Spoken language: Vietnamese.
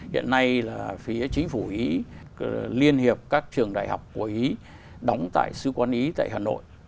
hiện nay là phía chính phủ ý liên hiệp các trường đại học của ý đóng tại sư quan ý tại hà nội